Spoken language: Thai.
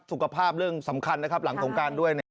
สุขภาพเรื่องสำคัญนะครับหลังสงการด้วยเนี่ย